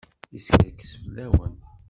Yeskerkes fell-awen.